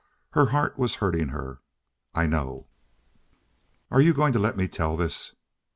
Her heart was hurting her. "I know." "Are you going to let me tell this?"